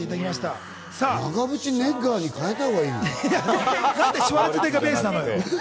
長渕ネッガーに変えたほうがいい。